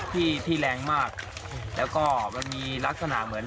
ที่เขาเรียกว่าลมหมุน